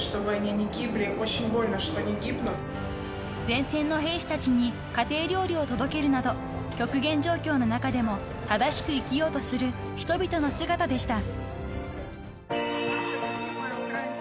［前線の兵士たちに家庭料理を届けるなど極限状況の中でも正しく生きようとする人々の姿でした］